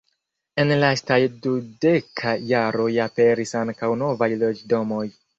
En lastaj dudeka jaroj aperis ankaŭ novaj loĝdomoj.